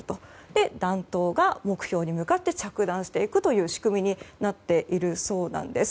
で、弾頭が目標に向かって着弾していくという仕組みになっているそうなんです。